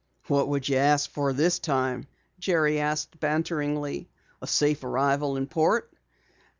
"What would you ask for this time?" Jerry asked banteringly. "A safe arrival in port?"